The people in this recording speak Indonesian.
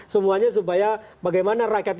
semuanya supaya bagaimana rakyat